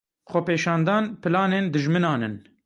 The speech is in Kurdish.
Xwepêşandan planên dijminan in.